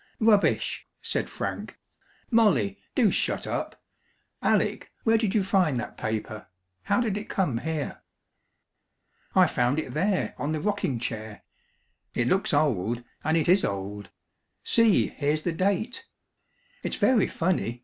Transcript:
"Rubbish!" said Frank. "Molly, do shut up. Alec, where did you find that paper? How did it come here?" "I found it there, on the rocking chair. It looks old, and it is old. See, here's the date. It's very funny!